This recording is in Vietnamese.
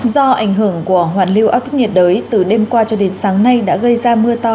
do ảnh hưởng của hoàn lưu áp thấp nhiệt đới từ đêm qua cho đến sáng nay đã gây ra mưa to